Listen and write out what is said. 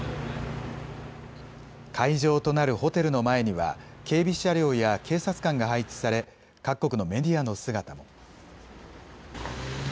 会場となるホテルの前には警備車両や警察官が配置され各国のメディアの姿も。